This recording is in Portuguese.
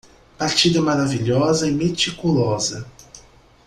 Partilha maravilhosa e meticulosa